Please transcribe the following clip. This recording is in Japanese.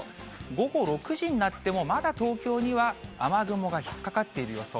午後６時になっても、まだ東京には雨雲が引っ掛かっている予想。